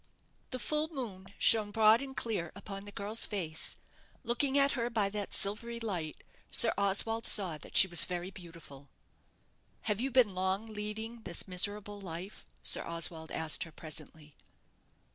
The full moon shone broad and clear upon the girl's face. Looking at her by that silvery light, Sir Oswald saw that she was very beautiful. "Have you been long leading this miserable life?" Sir Oswald asked her presently.